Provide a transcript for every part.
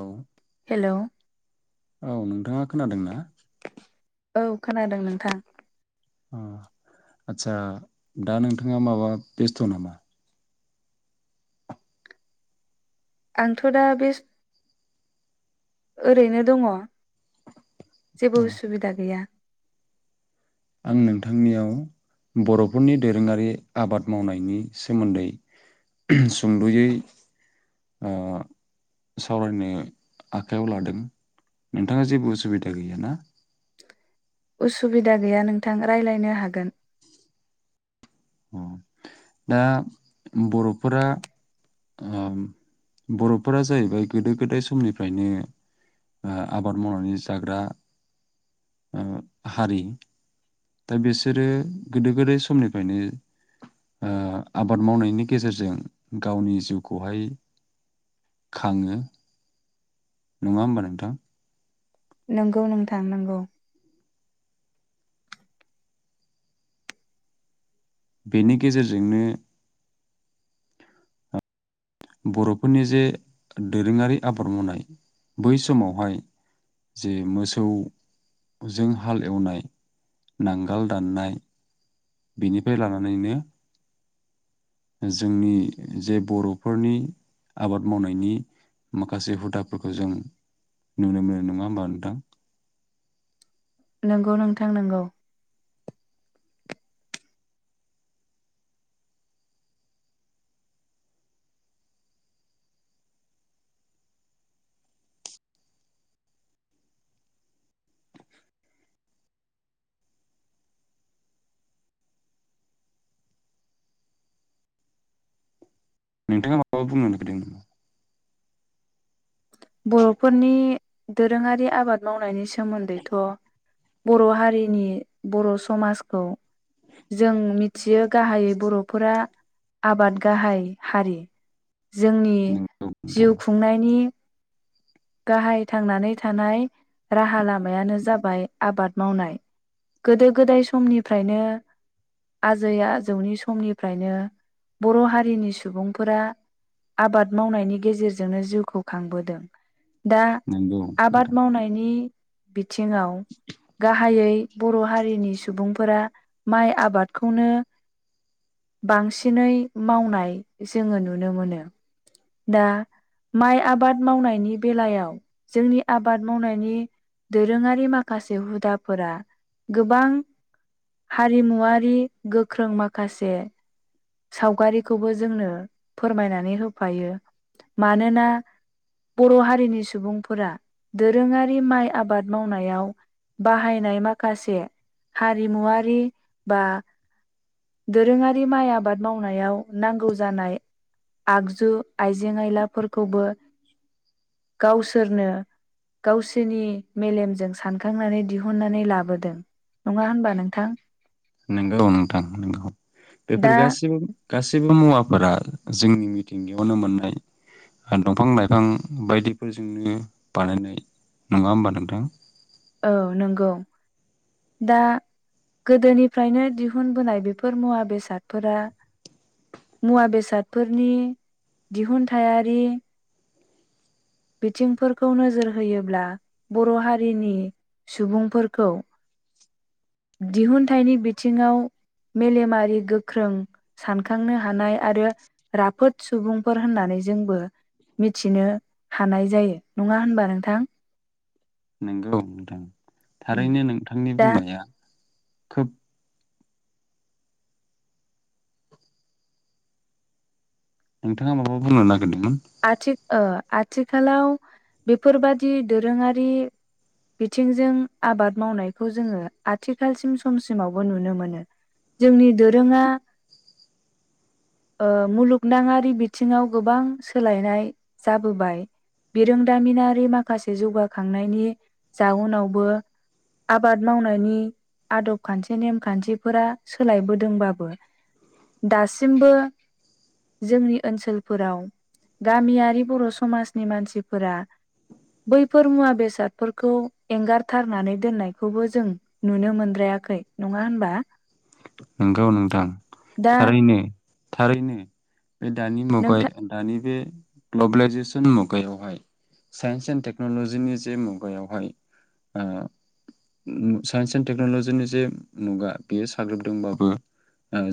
औ हेलौ औ नोंथाङा खोनादों ना? औ खोनादों नोंथां। अ' आदसा दा नोंथाङा माबा बेस्थ' नामा? आंथ' दा बेस ओरैनो दङ। अ जेबो उसुबिदा गैया। आं नोंथांनियाव बर'फोरनि दोरोङारि आबाद मावनायनि सोमोन्दै सुंद'यै ओ सावरायनो आखायाव लादों। नोंथाङा जेबो उसुबिदा गैयाना? उसुबिदा गैया नोंथां रायलायनो हागोन अ' दा बर'फोरा ओम बर'फोरा जाहैबाय गोदो गोदाय समनिफ्रायनो आबाद ओ मावनानै जाग्रा ओ हारि दा बिसोरो गोदो गोदाय समनिफ्रायनो ओ आबाद मावनायनि गेजेरजों गावनि जिउखौहाय खाङो। नङा होमबा नोंथां? नंगौ नोंथां नंगौ। बेनि गेजेरजोंनो बर'फोरनि जे दोरोङारि आबाद मावनाय बै समावहाय जे मोसौजों हाल एवनाय नांगाल दाननाय बेनिफ्राय लानानैनो जोंनि जे बर'फोरनि आबाद मावनायनि माखासे हुदाफोरखौ जों नुनोमोनो नङा होमबा नोंथां? नंगौ नोंथां नंगौ। नोंथाङा माबा बुंनो नागिरदों नामा? बर'फोरनि दोरोङारि आबाद मावनायनि सो सोमोन्दैथ' बर' हारिनि बर' समाजखौ जों मिथियो गाहायै बर'फोरा आबाद गाहाय हारि जोंनि नंगौ नोंथां जिउ खुंनायनि गाहाय थांनानै थानाय राहा लामायानो जाबाय आबाद मावनाय। गोदो गोदाय समनिफ्रायनो आजै आजौनि समनिफ्रायनो बर' हारिनि सुबुंफोरा आबाद मावनायनि गेजेरजोंनो जिउखौ खांबोदों। दा नंगौ आबाद नोंथां मावनायनि बिथिङाव गाहायै बर' हारिनि सुबुंफोरा माइ आबादखौनो बांसिनै मावनाय जोङो नुनो मोनो। दा माइ आबाद मावनायनि बेलायाव जोंनि आबाद मावनायनि दोरोङारि माखासे हुदाफोरा गोबां हारिमुवारि गोख्रों माखासे सावगारिखौबो जोंनो फोरमायनानै होफायो। मानोना बर' हारिनि सुबुंफोरा दोरोङारि माइ आबाद मावनायाव बाहायनाय माखासे हारिमुवारि बा दोरोङारि माइ आबाद। मावनायाव नांगौ जानाय आगजु आइजें आइलाफोरखौबो गावसोरनो गावसिरनि मेलेमजों सानखांनानै दिहुननानै लाबोदों नङा होनबा नोंथां? नंगौ नोंथां नगौ बेफोर दा गासिबो गासैबो मुवाफोरा जोंनि मिथिंगायावनो मोननाय दंफां लाइफां बायदिफोरजोंनो बानायनाय नङा होमबा नोंथां? औ नंगौ दा गोदोनिफ्रायनो दिहुनबोनाय बेफोर मुवा बेसादफोरा मुवा बेसादफोरनि दिहुनथायारि बिथिंफोरखौ नोजोर होयोब्ला बर' हारिनि सुबुंफोरखौ दिहुनथाइनि बिथिङाव मेलेमारि गोख्रों सानखांनो हानाय आरो राफोद सुबुंफोर होननानै जोंबो मिथिनो हानाय जायो। नङा होनबा नोंथां? नोंगौ नोंथां थारैनो नोंथांनि दा बुंनाया खोब नोंथाङा माबा बुंनो ना दोंमोन आथि ओ आथिखालाव बेफोरबादि दोरोङारि बिथिंजों आबाद मावनायखौ जोङो आथिखालसिम समसिमावबो नुनो मोनो जोंनि दोरोङा ओ मुलुगनाङारि बिथिङाव गोबां सो सोलायनाय जाबोबाय बिरोंदामिनारि माखासे जौगाखांनायनि जाउनावबो आबाद मावनायनि आदब खान्थि नेमखान्थिफोरा सोलायबोदोंबाबो दासिमबो जोंनि ओनसोलफोराव गामियारि बर' समाजनि मानसिफोरा बैफोर मुवा बेसादफोरखौ एंगारथारनानै दोननायखौबो जों नुनो मोनद्रायाखै नङा होनबा? नंगौ नोंथां दा थारैनो थारैनो बे दानि मुगाय नोंथां दानि बे ग्लबेलाइजेसन मुगायावहाय साइन्स एन्ड टेक्नलजिनि जे मुगायावहाय ओ साइन्स एणड टेक्नलजिनि जे मुगा बेयो साग्लोबदोंबा बो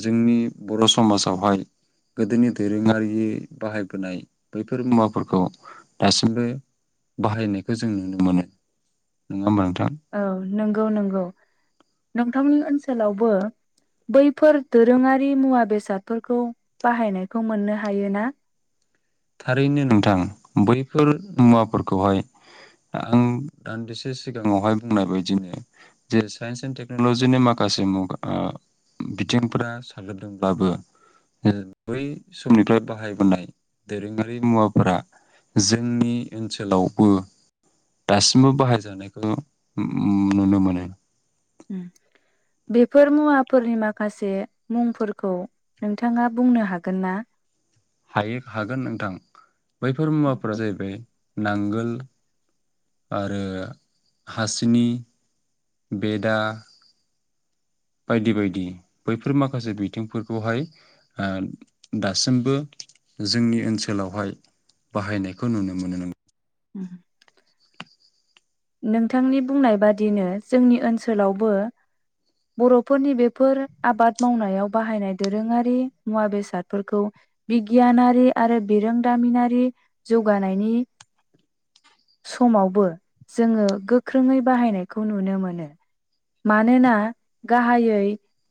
जोंनि बर समाजावहाय गोदोनि दोरोङारि बाहायबोनाय बैफोर मुवाफोरखौ दासिमबो बाहायनायखौ जों नुनो मोनो नङा होमबा नों औ नंगौ नंगौ नोंथांनि ओनसोलावबो बैफोर दोरोङारि मुवा बेसादफोरखौ बाहायनायखौ मोननो हायोना? थारैनो नोंथां बैफोर मुवाफोरखौहाय आं दान्दिसे सिगाङावहाय बुंनाय बायदिनो जे साइन्स एन्ड टेक्नलजिनि माखासे मुगा बिथिंफोरा साग्लोबदोंब्लाबो बै समनिफ्राय बाहायबोनाय दोरोङारि मुवाफोरा जोंनि ओनसोलावबो दासिमबो बाहायजानायखौ नुनो मोनो। बेफोर मुवाफोरनि माखासे मुंफोरखौ नोंथाङा बुंनो हागोन ना? हायो हागोन नोंथां बैफोर मुवाफोरा जाहैबाय नांगोल आरो हासिनि बेदा बायदि बायदि बैफोर माखासे बिथिंफोरखौहाय ओ दासिमबो जोंनि ओनसोलावहाय बाहायनायखौ नुनो मोनो नों ओ नोंथांनि बुंनाय बादिनो जोंनि ओनसोलावबो बरफोरनि बेफोर आबाद मावनायाव बाहायनाय दोरोङारि मुवा बेसादफोरखौ बिगियानारि आरो बिरोंदामिनारि जौगानायनि समावबो जोङो गोख्रोङै बाहायनायखौ नुनो मोनो। मानोना गाहायै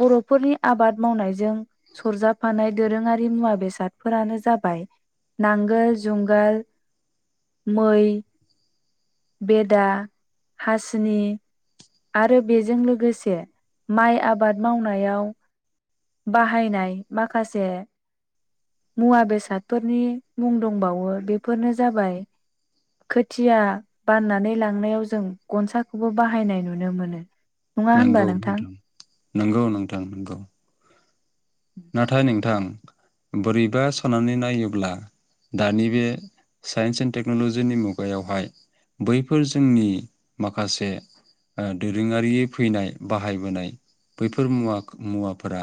बरफोरनि आबाद मावनायजों सरजाबफानाय दोरोङारि मुवा बेसादफोरानो जाबाय नांगोल, जुंगाल, मै बेदा, हासिनि आरो बेजों लोगोसे माइ आबाद मावनायाव बाहायनाय माखासे मुवा बेसादफोरनि मुं दंबावो बेफोरनो जाबाय खोथिया बाननानै लांनायाव जों गनसाखौबो बाहायनाय नु नो मोनो नंगौ नोंथां नंगौ नोंथां नंगौ नाथाय नोंथां बोरैबा साननानै नायोब्ला दानि बे साइन्स एन्ड टेक्नलजिनि मुगायावहाय बैफोर जोंनि माखासे ओ दोरोङारि फैनाय बाहायबोनाय बैफोरमुवा मुवाफोरा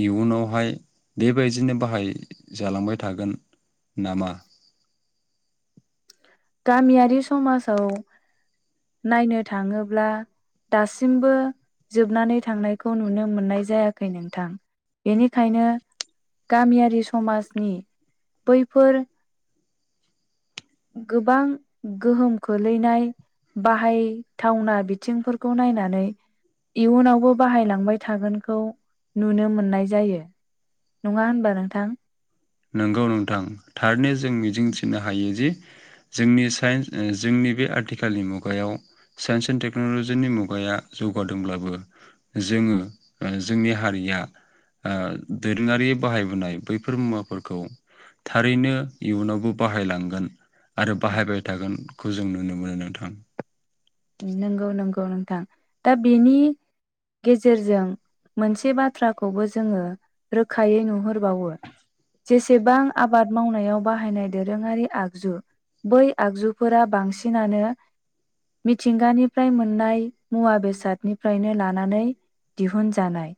इयुनावहाय बेबायदिनो बाहायजालांबाय थागोन नामा गामियारि समाजाव नायनो थाङोब्ला दासिमबो जोबनानै थांनायखौ नुनो मोननाय जायाखै नोंथां बेनिखायनो गामियारि समाजनि बैफोर गोबां गोहोम खोलैनाय बाहाय थावना बिथिंफोरखौ नायनानै इयुनावबो बाहायलांबाय थागोनखौ नुनो मोननाय जायो नङा होनबा नोंथां? नोंगौ नोंथां थारनो जों मिजिंथिनो हायो जे जोंनि साइन्स ओ जोंनि बे आथिखालनि मुगायाव साइन्स एन्ड टेक्नलजिनि मुगाया जौगादोंब्लाबो जोङो जोंनि हारिया ओ दोरोङारि बाहायबोनाय बैफोर मुवाफोर खौ थारैनो इयुनावबो बाहायलांगोन आरो बाहायबाय थागोन खौ जों नुनो मोनो नोंथां नंगौ नंगौ नोंथां दा बेनि गेजेरजों मोनसे बाथ्राखौबो जोङो रोखायै नुहरबावो जेसेबां आबाद मावनायाव बाहायनाय दोरोङारि आगजु बै आगजुफोरा बांसिनानो मिथिंगानिफ्राय मोननाय मुवा बेसादनिफ्रायनो लानानै दिहुनजानाय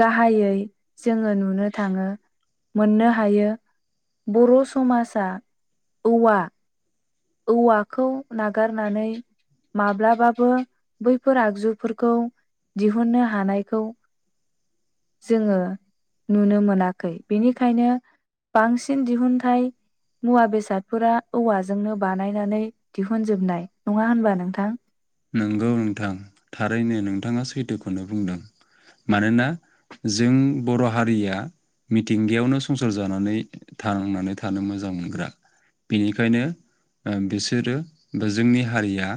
गाहायै जोङो नुनो थाङो मोननो हायो बर समाजा औवा औवाखौ नागारनानै माब्लाबाबो बैफोर आगजुफोरखौ दिहुननो हानायखौ जोङो नुनो मोनाखै बेनिखायनो बांसिन दिहुनथाय मुवा बेसादफोरा औवाजोंनो बानायनानै दिहुनजोबनाय नङा होनबा नों थां नोंगौ नोंथां थारैनो नोंथाङा सैथोखौनो बुंदों मानोना जों बर हारिया मिथिंगायावनो संसार जानानै थांनानै थानो मोजां मोनग्रा बेनिखायनो ओ बेसोरो बा जोंनि हारिया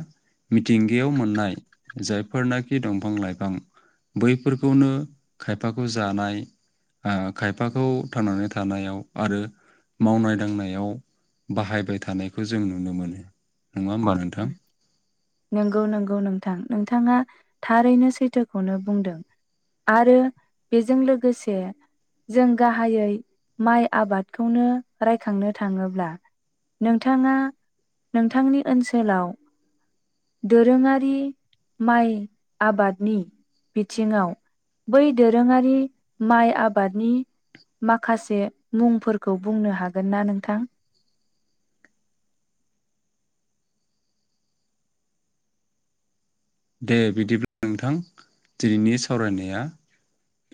मिथिंगायाव मोननाय जायफोरनाखि दंफां लाइफां बैफोरखौनो खायफाखौ जानाय ओ खायफाखौ थांनानै थानायाव आरो मावनाय दांनायाव बाहायबाय थानायखौ जों नुनो मोनो नङा होमबा नोंथां? नंगौ नंगौ नोंथां नोंथाङा थारैनो सैथोखौनो बुंदों आरो बेजों लोगोसे जों गाहायै माइ आबादखौनो रायखांनो थाङोब्ला नोंथाङा नोंथांनि ओनसोलाव दोरोङारि माइ आबादनि बिथिङाव बै दोरोङारि माइ आबादनि माखासे मुंफोरखौ बुंनो हागोन ना नोंथां? दे बिदिब्ला नोंथां दिनैनि सावरायनाया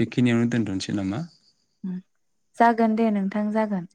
बेखिनियावनो दोनथनोसै नामा? जागोन दे नोंथां जागोन।